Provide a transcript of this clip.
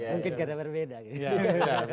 mungkin karena berbeda